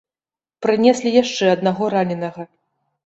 Прынеслі яшчэ аднаго раненага.